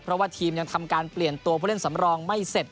เพราะว่าทีมยังทำการเปลี่ยนตัวผู้เล่นสำรองไม่เสร็จ